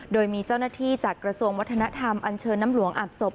โดยมีเจ้าหน้าที่จากกระทรวงวัฒนธรรมอันเชิญน้ำหลวงอาบศพ